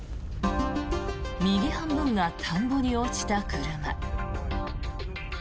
右半分が田んぼに落ちた車。